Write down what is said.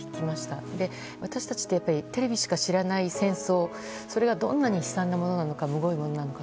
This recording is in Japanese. そのうえで、私たちってテレビしか知らない戦争それがどんなに悲惨なものなのかむごいものなのか